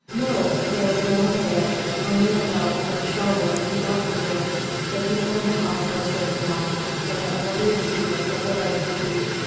"No. There is no one there. Only a lout from Chelwood who brought me here. The people of the house are safe enough. They have plenty of secrets of their own to keep."